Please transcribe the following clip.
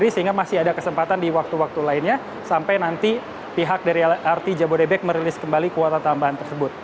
sehingga masih ada kesempatan di waktu waktu lainnya sampai nanti pihak dari lrt jabodebek merilis kembali kuota tambahan tersebut